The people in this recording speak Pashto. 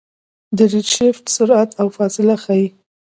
د ریډشفټ سرعت او فاصله ښيي.